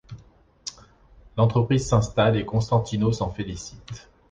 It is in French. L'entreprise s'installe et Costantino s'en félicite.